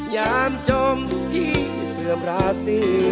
ยามจมที่เสื่อมราศี